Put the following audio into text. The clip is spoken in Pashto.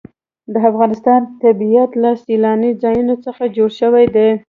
د افغانستان طبیعت له سیلانی ځایونه څخه جوړ شوی دی.